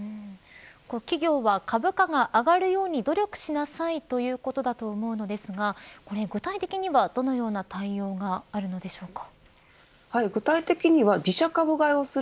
企業が株価が上がるように努力しなさいということだと思うのですが具体的には、どのような対応があるのでしょうか。